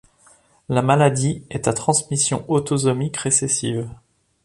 La maladie est à transmission autosomique récessive.